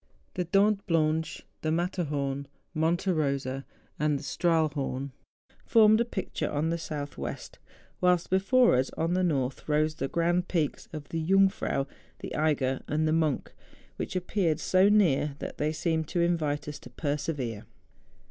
The Dent Blanche, the Matterhorn, Monte Eosa, and the THE JUNGFRAU. 69 Strahlliorn, formed a picture on the south west, whilst before us, on the north, rose the grand peaks of the Jungfrau, the Eiger, and the Moncli, which looked so near that they seemed to invite us to persevere.